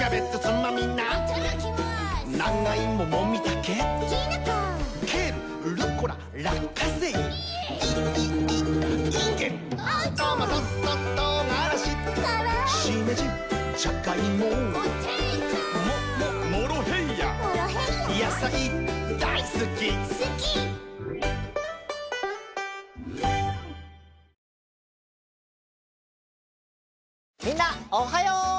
みんなおはよう！